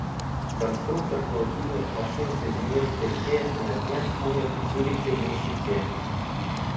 Конструктор холодильных машин Казимир Телье на днях умер в Цюрихе в нищете.